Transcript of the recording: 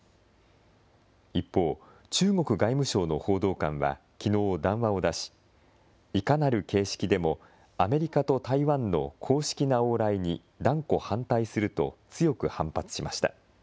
一方、中国外務省の報道官はきのう、談話を出し、いかなる形式でもアメリカと台湾の公式な往来に断固反対すると強く反発しました。